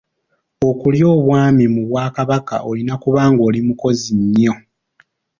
Okulya Obwami mu Bwakabaka olina okuba nga oli mukozi nnyo.